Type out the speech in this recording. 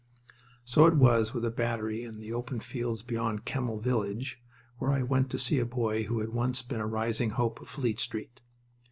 So it was with a battery in the open fields beyond Kemmel village, where I went to see a boy who had once been a rising hope of Fleet Street.